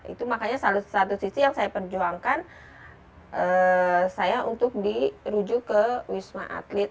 itu makanya satu sisi yang saya perjuangkan saya untuk dirujuk ke wisma atlet